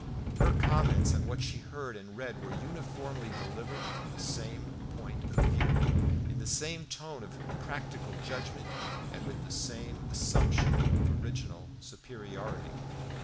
Her comments on what she heard and read were uniformly delivered from the same point of view, in the same tone of practical judgment, and with the same assumption of original superiority.